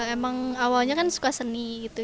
emang awalnya kan suka seni gitu